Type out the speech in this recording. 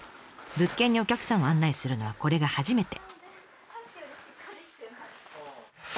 物件にお客さんを案内するのはこれが初めて。